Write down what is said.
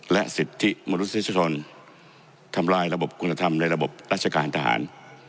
และสิทธิมนุษยชนทำลายระบบคุณธรรมในระบบราชการทหาร